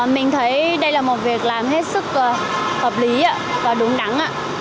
mình thấy đây là một việc làm hết sức hợp lý và đúng đắn